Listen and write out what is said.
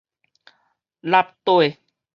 塌底